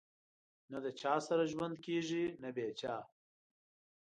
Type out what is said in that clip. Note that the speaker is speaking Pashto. نه د چا سره ژوند کېږي نه بې چا